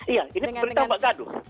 iya ini pemerintah mbak gaduh